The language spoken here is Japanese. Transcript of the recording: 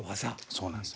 そうなんですよ。